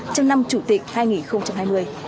trong năm chủ tịch hai nghìn hai mươi